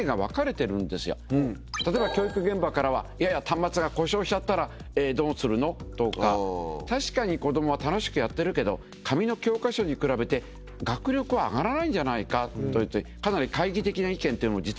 例えば教育現場からは端末が故障しちゃったらどうするの？とか確かに子供は楽しくやってるけど紙の教科書に比べて学力は上がらないんじゃないかとかなり懐疑的な意見ってのも実はあるんですよね。